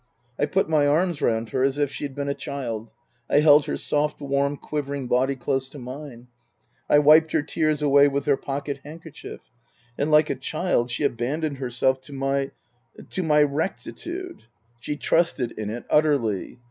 I put my arms round her as if she had been a child ; I held her soft, warm, quivering body close to mine ; I wiped her tears away with her pocket handkerchief. And like a child she abandoned herself to my to my recti tude. She trusted in it utterly.